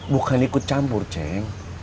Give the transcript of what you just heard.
bukan ikut campur ceng